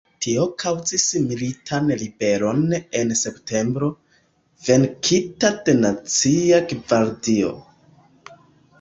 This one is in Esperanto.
Tio kaŭzis militan ribelon en septembro, venkita de Nacia Gvardio.